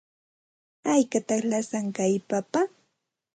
¿Haykataq lasan kay papa?